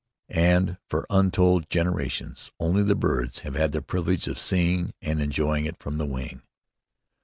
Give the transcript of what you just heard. And for untold generations only the birds have had the privilege of seeing and enjoying it from the wing.